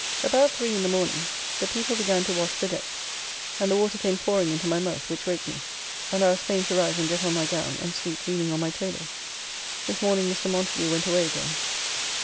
About three in the morning the people began to wash the deck, and the water came pouring into my mouth, which waked me, and I was fain to rise and get on my gown, and sleep leaning on my table. This morning Mr. Montagu went away again.